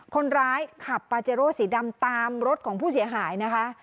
คนขับปาเจโร่สีดำตามรถของผู้เสียหายนะคะ